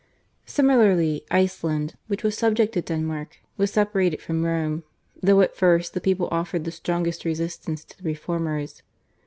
Similarly Iceland, which was subject to Denmark, was separated from Rome, though at first the people offered the strongest resistance to the reformers.